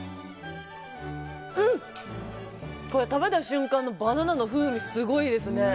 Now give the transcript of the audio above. うん、これ食べた瞬間のバナナの風味すごいですね。